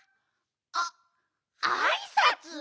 ああいさつ？